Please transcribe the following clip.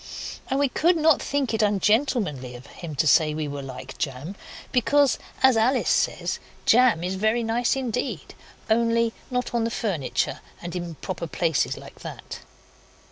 And we could not think it ungentlemanly of him to say we were like jam, because, as Alice says, jam is very nice indeed only not on furniture and improper places like that.